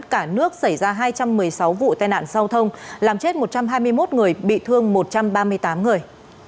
cả nước xảy ra hai trăm một mươi sáu vụ tai nạn giao thông làm chết một trăm hai mươi một người bị thương một trăm ba mươi tám người